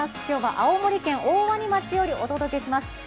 今日は青森県大鰐町よりお届けします。